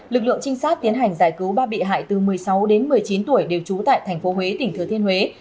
lực lượng trinh sát tiến hành giải cứu ba bị hại từ một mươi sáu đến một mươi chín tuổi đều trú tại tp huế tỉnh thừa thiên huế